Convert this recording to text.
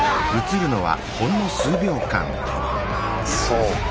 そうか。